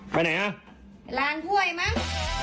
ไปไหนฮะรางค่วยมั้ง